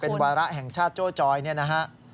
เป็นวาระแห่งชาติโจ้ยนี่นะครับ